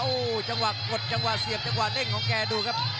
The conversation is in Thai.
โอ้โหจังหวะกดจังหวะเสียบจังหวะเด้งของแกดูครับ